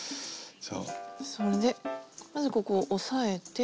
それでまずここを押さえて。